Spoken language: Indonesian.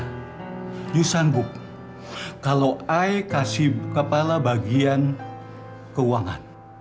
kamu sanggup kalau aku kasih kepala bagian keuangan